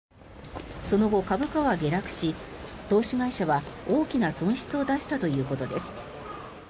その後、株価は下落し投資会社は大きな損失を出したということです。